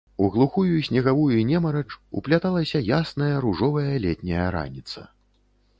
У глухую снегавую немарач упляталася ясная ружовая летняя раніца.